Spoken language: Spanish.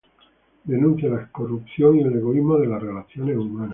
Denuncia la corrupción y el egoísmo en las relaciones humanas.